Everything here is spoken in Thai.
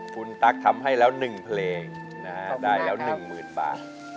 คุณตั๊กทำให้แล้ว๑เพลงนะฮะได้แล้ว๑๐๐๐บาท